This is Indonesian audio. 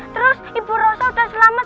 terus ibu rosa udah selamat